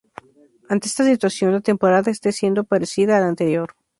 Ante esta situación la temporada este siendo parecida a la anterior.